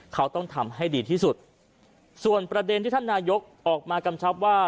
เขาต้องทำให้ดีที่สุดส่วนประเด็นที่ท่านนายกออกมากำชับว่า